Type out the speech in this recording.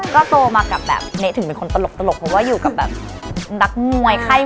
ก็โตมากับแบบเนถึงเป็นคนตลกเพราะว่าอยู่กับแบบนักมวยไข้